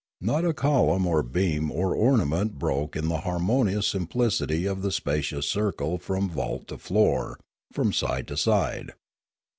Not a column or beam or ornament broke the harmon ious simplicity of the spacious circle from vault to floor, from side to side.